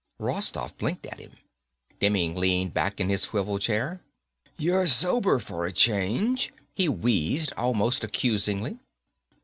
Rostoff blinked at him. Demming leaned back in his swivel chair. "You're sober for a change," he wheezed, almost accusingly.